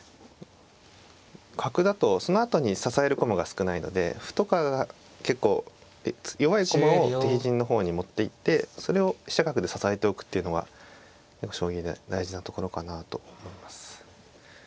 角だとそのあとに支える駒が少ないので歩とか結構弱い駒を敵陣の方に持っていってそれを飛車角で支えておくっていうのが将棋で大事なところかなと思います。